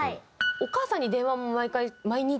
お母さんに電話も毎回毎日？